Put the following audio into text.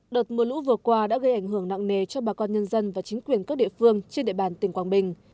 đợt mưa lũ vừa qua đã gây ảnh hưởng nặng nề cho bà con nhân dân và chính quyền các địa phương trên địa bàn tỉnh quảng bình